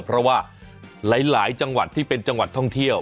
เพราะว่าหลายจังหวัดที่เป็นจังหวัดท่องเที่ยว